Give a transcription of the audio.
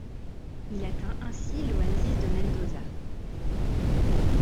Il atteint ainsi l'oasis de Mendoza.